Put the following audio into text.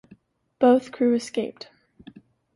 Both crew escaped.